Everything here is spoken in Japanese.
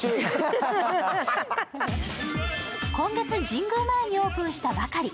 今月、神宮前にオープンしたばかり。